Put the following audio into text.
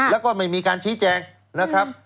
แล้วก็ไม่มีการชี้แจงนะครับ